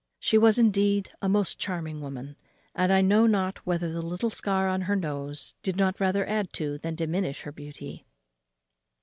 She was, indeed, a most charming woman; and I know not whether the little scar on her nose did not rather add to than diminish her beauty.